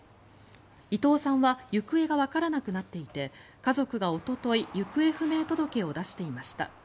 伊藤さんは行方がわからなくなっていて家族がおととい行方不明届を出していました。